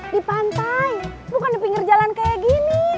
di pantai bukan di pinggir jalan kayak gini